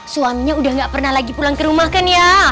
suaminya udah gak pernah lagi pulang ke rumah kan ya